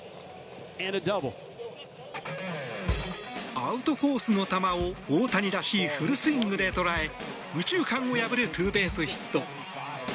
アウトコースの球を大谷らしいフルスイングで捉え右中間を破るツーベースヒット。